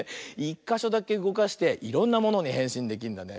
１かしょだけうごかしていろんなものにへんしんできるんだね。